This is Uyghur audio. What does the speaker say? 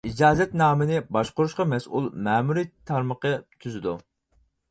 ئىجازەتنامىنى باشقۇرۇشقا مەسئۇل مەمۇرىي تارمىقى تۈزىدۇ.